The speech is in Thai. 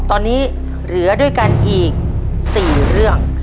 ตอนนี้เหลือด้วยกันอีก๔เรื่อง